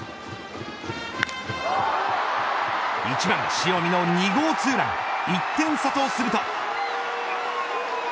１番塩見の２号ツーラン１点差とすると。